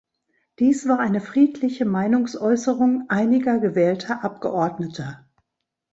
Dies war eine friedliche Meinungsäußerung einiger gewählter Abgeordneter.